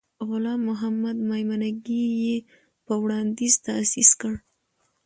غلام محمد میمنګي یې په وړاندیز تأسیس کړ.